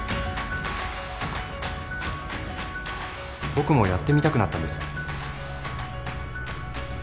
僕もやってみたくなったんです。